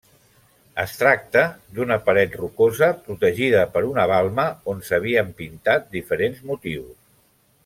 Es tracta d'una paret rocosa, protegida per una balma, on s'havien pintat diferents motius.